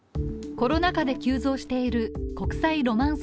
コロナ禍で急増している国際ロマンス